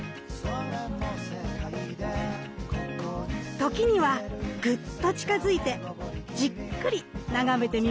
時にはグッと近づいてじっくり眺めてみませんか。